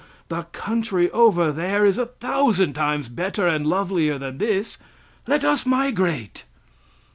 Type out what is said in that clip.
the country over there is a thousand times better and lovelier than this; let us migrate."